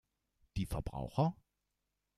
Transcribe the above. Die Verbraucher?